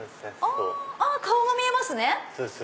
顔が見えますね。